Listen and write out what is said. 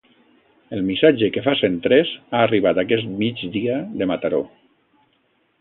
El missatge que fa cent tres ha arribat aquest migdia de Mataró.